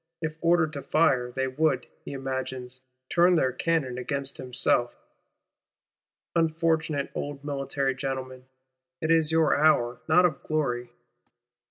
If ordered to fire, they would, he imagines, turn their cannon against himself. Unfortunate old military gentlemen, it is your hour, not of glory!